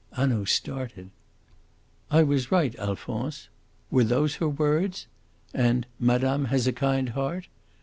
'" Hanaud started. "'I was right, Alphonse.' Were those her words? And 'Madame has a kind heart.'